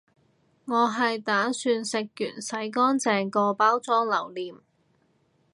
我係打算食完洗乾淨個包裝留念